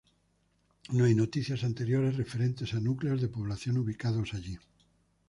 No hay noticias anteriores referentes a núcleos de población ubicados allí.